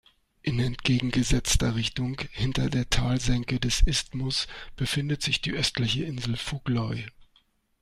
In entgegengesetzter Richtung, hinter der Talsenke des Isthmus, befindet sich die östliche Insel Fugloy.